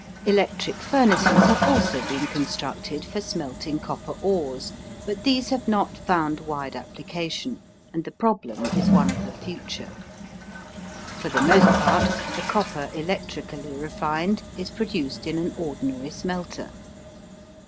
Electric furnaces have also been constructed for smelting copper ores, but these have not found wide application, and the problem is one of the future. For the most part the copper electrically refined is produced in an ordinary smelter.